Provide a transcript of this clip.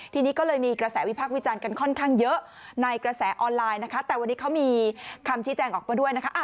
ทีนี้ก็เลยมีกระแสวิพักษ์วิจารณ์กันค่อนข้างเยอะในกระแสออนไลน์นะคะแต่วันนี้เขามีคำชี้แจงออกมาด้วยนะคะ